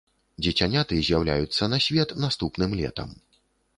Дзіцяняты з'яўляюцца на свет наступным летам.